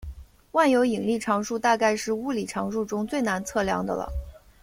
万有引力常数大概是物理常数中最难测量的了。